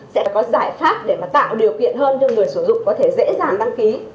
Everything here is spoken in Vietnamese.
sẽ có giải pháp để mà tạo điều kiện hơn cho người sử dụng có thể dễ dàng đăng ký